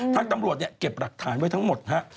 ตำรวจเนี่ยเก็บหลักฐานไว้ทั้งหมดฮะ